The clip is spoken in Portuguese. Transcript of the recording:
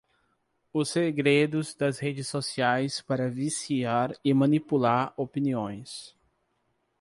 Os segredos das redes sociais para viciar e manipular opiniões